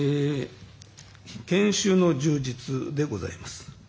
研修の充実でございます。